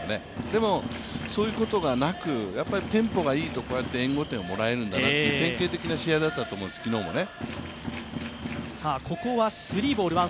でもそういうことがなくテンポがいいとこうやって援護点もらえるんだなって典型的な試合だったと思います、昨日もね。